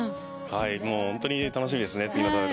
本当に楽しみですね。